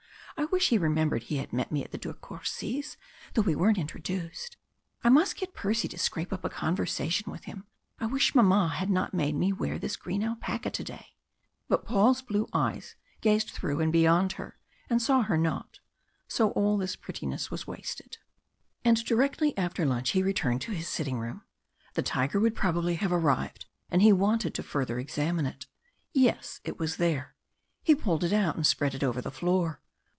I wish he remembered he had met me at the De Courcys', though we weren't introduced. I must get Percy to scrape up a conversation with him. I wish mamma had not made me wear this green alpaca to day." But Paul's blue eyes gazed through and beyond her, and saw her not. So all this prettiness was wasted. And directly after lunch he returned to his sitting room. The tiger would probably have arrived, and he wanted to further examine it. Yes, it was there. He pulled it out and spread it over the floor.